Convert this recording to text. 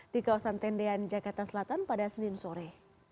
di kawasan tendean jakarta selatan pada senin sore